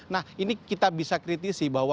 nah ini kita bisa kritisi bahwa